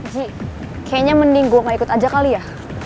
ci kayaknya mending gue gak ikut aja kali ya